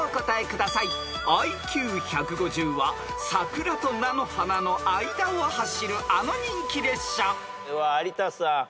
［ＩＱ１５０は桜と菜の花の間を走るあの人気列車］では有田さん。